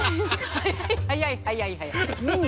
早い早い早い早い。